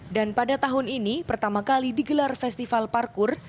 dan pada tahun ini pertama kali digelar festival parkur